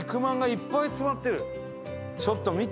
ちょっと見て！